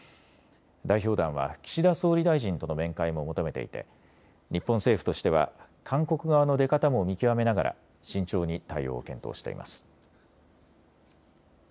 代表団は岸田総理大臣との面会も求めていて日本政府としては韓国側の出方も見極めながら慎重に対応を検討しています。